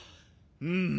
うん。